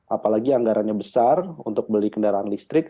apalagi anggarannya besar untuk beli kendaraan listrik